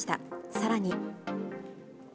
さらに。